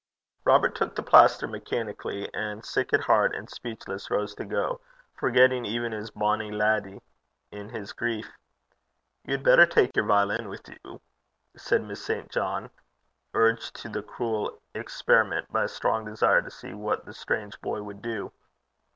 Robert took the plaster mechanically, and, sick at heart and speechless, rose to go, forgetting even his bonny leddy in his grief. 'You had better take your violin with you,' said Miss St. John, urged to the cruel experiment by a strong desire to see what the strange boy would do.